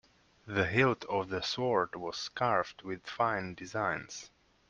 The hilt of the sword was carved with fine designs.